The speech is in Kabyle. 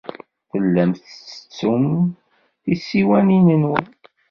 Tellam tettettum tisiwanin-nwen.